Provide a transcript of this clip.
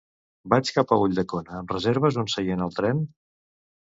Vaig cap a Ulldecona; em reserves un seient al tren?